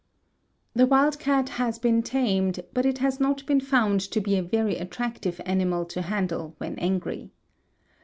The wild cat has been tamed but it has not been found to be a very attractive animal to handle when angry.